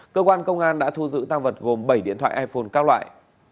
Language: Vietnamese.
cơ quan công an đã thu giữ tăng vật gồm bảy điện thoại iphone các loại